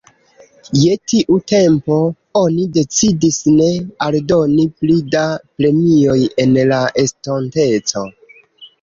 Je tiu tempo, oni decidis ne aldoni pli da premioj en la estonteco.